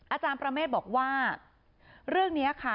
อาจารย์ประเมฆบอกว่าเรื่องนี้ค่ะ